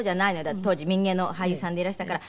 だって当時民藝の俳優さんでいらしたから。